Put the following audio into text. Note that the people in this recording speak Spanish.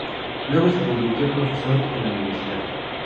Luego se convirtió en profesor en la universidad.